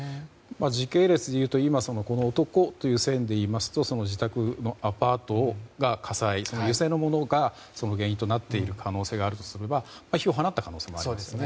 時系列でいうと男という線でいいますと自宅のアパートが火災油性のものが原因となっている可能性があるとすれば火を放った可能性もあります。